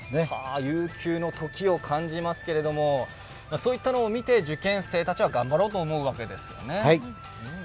悠久の時を感じますけれどもそういったものを見て受験生たちは頑張ろうと思うわけですね。